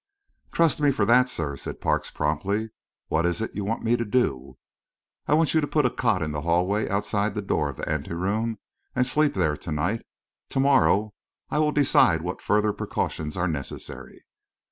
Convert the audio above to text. "Trust me for that, sir," said Parks promptly. "What is it you want me to do?" "I want you to put a cot in the hallway outside the door of the ante room and sleep there to night. To morrow I will decide what further precautions are necessary."